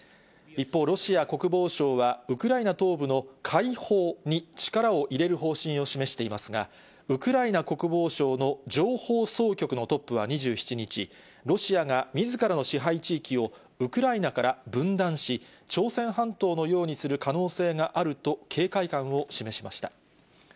一方、ロシア国防省は、ウクライナ東部の解放に力を入れる方針を示していますが、ウクライナ国防省の情報総局のトップは２７日、ロシアがみずからの支配地域をウクライナから分断し、朝鮮半島のようにする可能性があると警戒感を示しました。